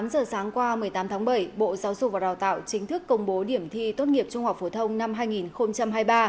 tám giờ sáng qua một mươi tám tháng bảy bộ giáo dục và đào tạo chính thức công bố điểm thi tốt nghiệp trung học phổ thông năm hai nghìn hai mươi ba